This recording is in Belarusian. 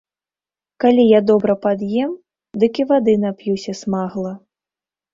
Калі я добра пад'ем, дык і вады нап'юся смагла.